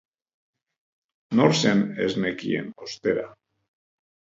Nor zen ez nekien, ostera.